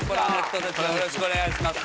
よろしくお願いします